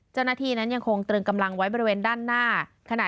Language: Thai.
เจ้าหน้าที่นั้นยังคงตรึงกำลังไว้บริเวณด้านหน้า